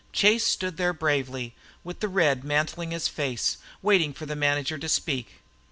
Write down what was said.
Chase stood there bravely, with the red mantling his face, waiting for the manager to speak.